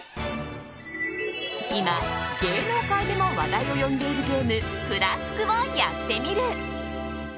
今、芸能界でも話題を呼んでいるゲームＫＬＡＳＫをやってみる。